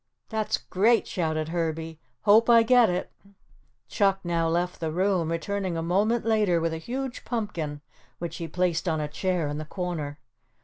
"That's great," shouted Herbie, "hope I get it." Chuck now left the room, returning a moment later with a huge pumpkin which he placed on a chair in the corner.